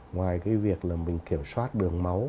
ngoài cái việc là mình kiểm soát đường máu